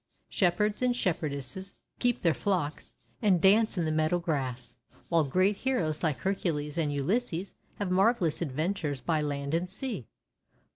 Shepherds and Shep herdesses keep their flocks, and dance in the meadow grass; while great heroes like Hercules and Ulysses have marvellous adventures by land and sea.